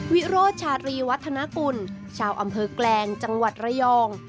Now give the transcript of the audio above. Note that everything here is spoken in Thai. วิโรธชาตรีวัฒนากุลชาวอำเภอแกลงจังหวัดระยอง